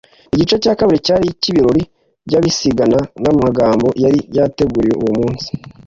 igice cya kabiri cyari icy'ibirori byabisikanaga n'amagambo yari yateguriwe uwo munsi